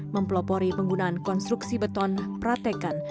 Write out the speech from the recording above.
mempelopori penggunaan konstruksi beton pratekan